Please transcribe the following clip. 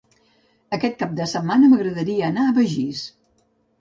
Aquest cap de setmana m'agradaria anar a Begís.